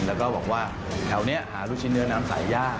แล้วก็บอกว่าแถวนี้หาลูกชิ้นเนื้อน้ำใสยาก